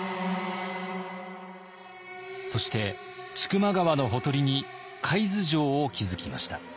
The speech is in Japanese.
そして千曲川のほとりに海津城を築きました。